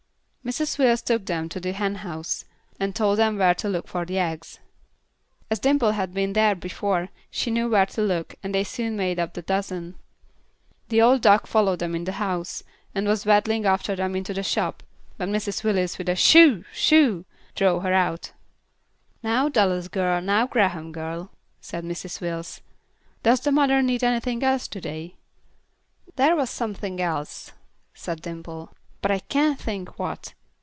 Mrs. Wills took them to the hen house, and told them where to look for eggs. As Dimple had been there before, she knew where to look, and they soon made up the dozen. The old duck followed them into the house, and was waddling after them into the shop, when Mrs. Wills with a "Shoo! Shoo!" drove her out. "Now, Dallas girl, and Graham girl," said Mrs. Wills, "does the mother need anything else to day?" "There was something else," said Dimple, "but I can't think what.